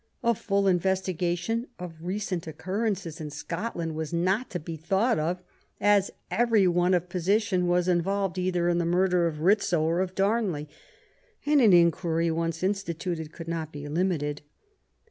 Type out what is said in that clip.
A full investigation of recent occurrences in Scotland was not to be thought of, as every one of position was involved either in the murder of Rizzio ELIZABETH AND MARY STUART, 99 or of Darnley; and an inquiry once instituted could not be limited.